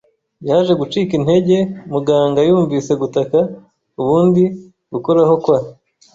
Yaje gucika intege, muganga, yumvise gutaka. Ubundi gukoraho kwa